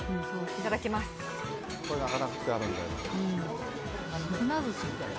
いただきます。